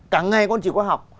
cả ngày con chỉ có học